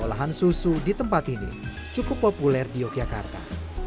olahan susu di tempat ini cukup populer di yogyakarta